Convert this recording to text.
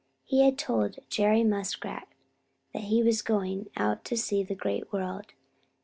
He had told Jerry Muskrat that he was going out to see the Great World.